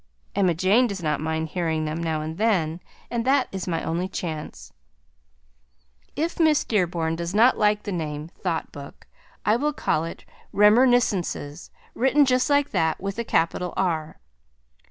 Emma Jane does not mind hearing them now and then, and that is my only chance. If Miss Dearborn does not like the name Thought Book I will call it Remerniscences (written just like that with a capital R).